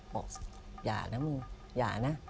บอกอย่านะมึงอย่านะ